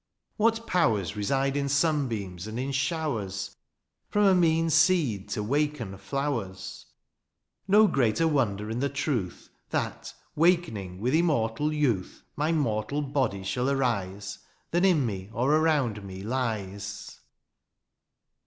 What powers ^^ Reside in sunbeams and in showers ^^ From a mean seed to waken flowers ?^^ No greater wonder in the truth, " That, wakening with immortal youth, ^^ My mortal body shall arise, " Than in me, or around me, lies.